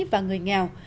và người nghèo